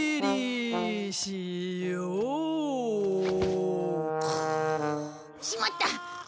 しまった！